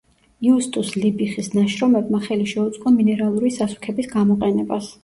იუსტუს ლიბიხის ნაშრომებმა ხელი შეუწყო მინერალური სასუქების გამოყენებას.